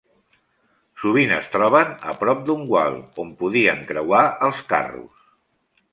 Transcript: Sovint es troben a prop d’un gual on podien creuar els carros.